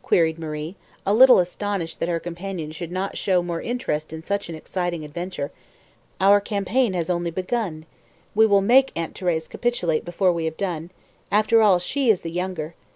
queried Marie, a little astonished that her companion should not show more interest in such an exciting adventure. "Our campaign has only begun. We will make Aunt Thérèse capitulate before we have done. After all, she is the younger.